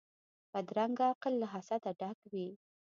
بدرنګه عقل له حسده ډک وي